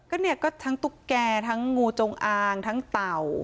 ก็เนี่ยก็ทั้งตุ๊กแก่ทั้งงูจงอางทั้งเต่า